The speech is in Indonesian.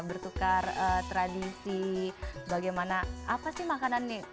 bertukar tradisi bagaimana apa sih makanan nih